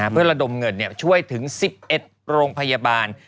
เพื่อระดมเงินช่วยถึง๑๑โรงพยาบาล